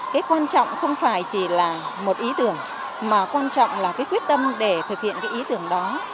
cái quan trọng không phải chỉ là một ý tưởng mà quan trọng là cái quyết tâm để thực hiện cái ý tưởng đó